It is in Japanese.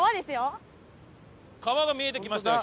川が見えてきましたよ